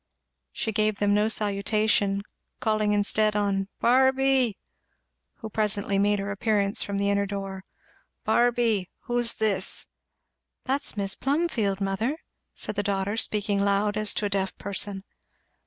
She gave them no salutation, calling instead on "Barby!" who presently made her appearance from the inner door. "Barby! who's this?" "That's Mis' Plumfield, mother," said the daughter, speaking loud as to a deaf person.